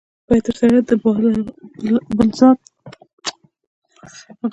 باید ورسره د بالذات غایې په توګه چلند وکړو.